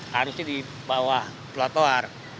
harusnya di bawah telotuar